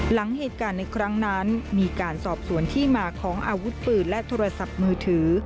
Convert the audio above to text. หลังเหตุการณ์ในครั้งนั้นมีการสอบสวนที่มาของอาวุธปืนและโทรศัพท์มือถือ